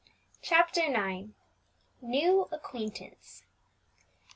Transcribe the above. CHAPTER IX. NEW ACQUAINTANCE.